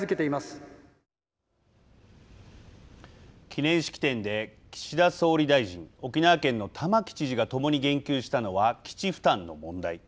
記念式典で岸田総理大臣沖縄県の玉城知事がともに言及したのは基地負担の問題。